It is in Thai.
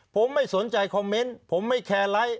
ผมไม่สนใจคอมเมนต์ผมไม่แคร์ไลค์